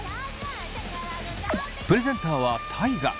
プレゼンターは大我。